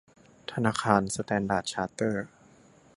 ธนาคารสแตนดาร์ดชาร์เตอร์ด